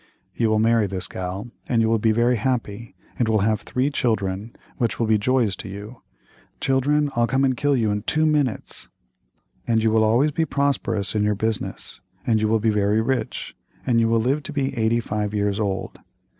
You will marry this gal and you will be very happy, and will have three children, which will be joys to you. Children, I'll come and kill you in two minutes. And you will always be prosperous in your business, and you will be very rich, and you will live to be eighty five years old.